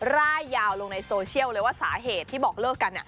ร่ายยาวลงในโซเชียลเลยว่าสาเหตุที่บอกเลิกกัน